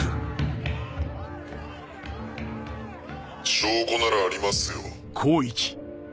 ・証拠ならありますよ。